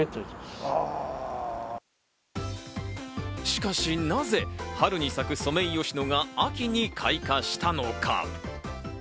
しかしなぜ春に咲くソメイヨシノが秋に開花したのか？